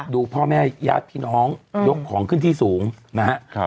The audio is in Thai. ดูพ่อแม่ญาติพี่น้องยกของขึ้นที่สูงนะฮะ